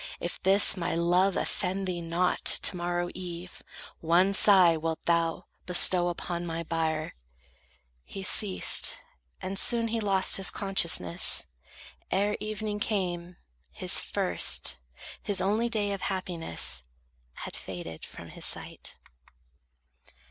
If this, My love offend thee not, to morrow eve One sigh wilt thou bestow upon my bier." He ceased; and soon he lost his consciousness: Ere evening came, his first, his only day Of happiness had faded from his sight.